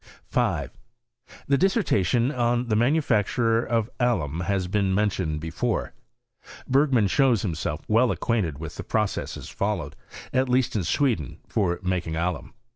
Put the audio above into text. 5. The dissertation on the manufacture of alum has been mentioned before. Bergman shows tumiself well acquainted with the processes followed, at least in Sweden, for making alum.